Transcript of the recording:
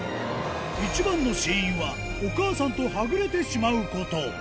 一番の死因は、お母さんとはぐれてしまうこと。